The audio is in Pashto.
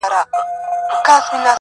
واه واه، خُم د شرابو ته راپرېوتم، بیا.